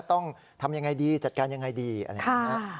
ต้องทำอย่างไรดีจัดการอย่างไรดีนะฮะค่ะค่ะ